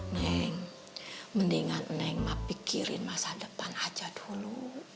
neng mendingan neng ma pikirin masa depan aja dulu